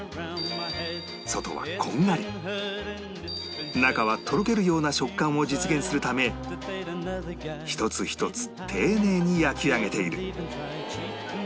外はこんがり中はとろけるような食感を実現するため一つ一つ丁寧に焼き上げている